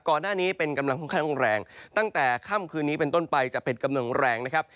ก่อนหน้านี้เป็นกำลังค่อนข้างแรงตั้งแต่ค่ำคืนนี้เป็นต้นไปจะเป็นกำลังแรงนะครับ